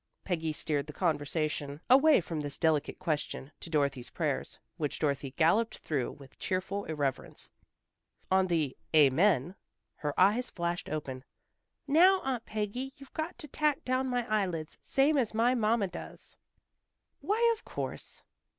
Peggy steered the conversation away from this delicate question to Dorothy's prayers, which Dorothy galloped through with cheerful irreverence. On the "Amen" her eyes flashed open. "Now, Aunt Peggy, you've got to tack down my eyelids, same as my mamma does." "Why, of course."